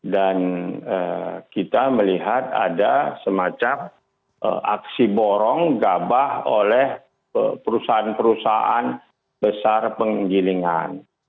dan kita melihat ada semacam aksi borong gabah oleh perusahaan perusahaan besar penggilingan